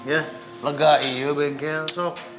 ya lega iya bengkel sok